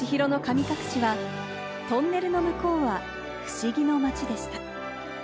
『千と千尋の神隠し』は、「トンネルのむこうは、不思議の町でした。」。